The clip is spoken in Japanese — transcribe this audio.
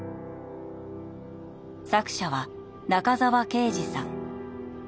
作者は中沢啓治さん。